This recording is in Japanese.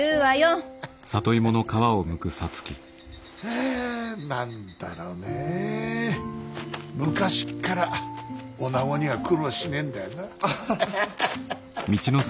はあ何だろねえ昔っから女子には苦労しねえんだよな。